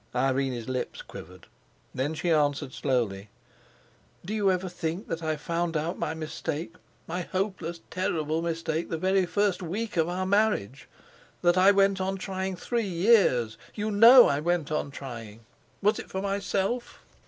Irene's lips quivered; then she answered slowly: "Do you ever think that I found out my mistake—my hopeless, terrible mistake—the very first week of our marriage; that I went on trying three years—you know I went on trying? Was it for myself?"